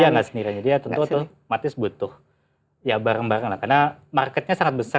iya nggak sendirian jadi ya tentu otomatis butuh ya bareng bareng lah karena marketnya sangat besar